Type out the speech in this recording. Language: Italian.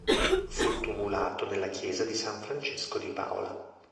Fu tumulato nella chiesa di San Francesco di Paola.